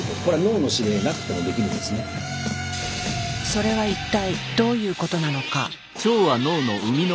それは一体どういうことなのか。